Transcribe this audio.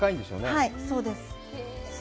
はい、そうです。